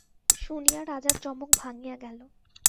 শুনিয়া রাজার চমক ভাঙিয়া গেল।